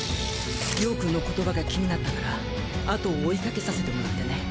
葉くんの言葉が気になったからあとを追いかけさせてもらってね。